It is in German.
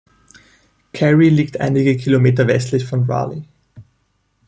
Cary liegt einige Kilometer westlich von Raleigh.